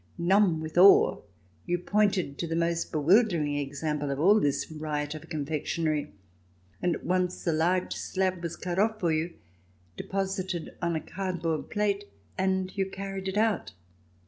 Numb with awe, you pointed to the most bewildering example of all this riot of confectionery ; at once a large slab was cut off for you, deposited on a cardboard plate, and you carried it out.